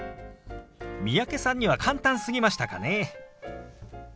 三宅さんには簡単すぎましたかね。